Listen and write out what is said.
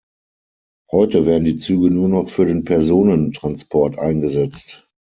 Heute werden die Züge nur noch für den Personentransport eingesetzt.